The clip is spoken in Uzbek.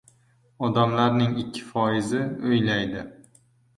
Odamlarning ikki foizi – oʻylaydi